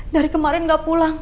dari kemarin gak pulang